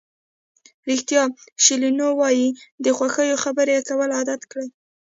ریتا شیلینو وایي د خوښیو خبرې کول عادت کړئ.